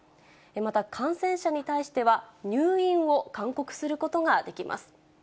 また、感染者に対しては、入院を勧告することができます。